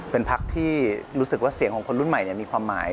เป็นพักที่รู้สึกว่าเสียงของคนรุ่นใหม่มีความหมาย